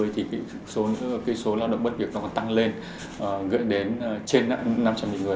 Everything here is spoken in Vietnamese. thì cái số lao động mất việc nó còn tăng lên gợi đến trên năm trăm linh người